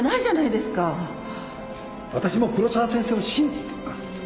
私も黒沢先生を信じています。